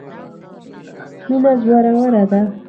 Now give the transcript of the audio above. مینه زوروره ده.